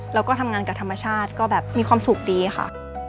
แล้วก็ทำงานกับธรรมชาติก็แบบมีความสุขดีค่ะ